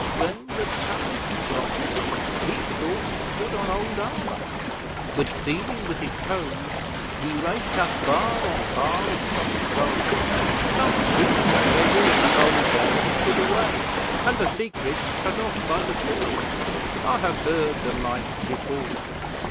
'When the tide dropped he thought he stood on old armour, but feeling with his toes, he raked up bar on bar of soft gold. Some wicked treasure of the old days put away, and the secret cut off by the sword. I have heard the like before.'